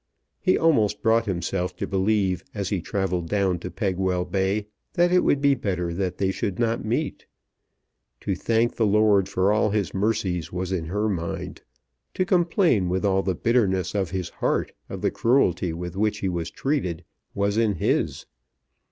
He almost brought himself to believe as he travelled down to Pegwell Bay that it would be better that they should not meet. To thank the Lord for all His mercies was in her mind. To complain with all the bitterness of his heart of the cruelty with which he was treated was in his.